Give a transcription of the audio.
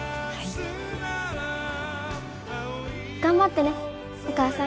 頑張ってねお母さん。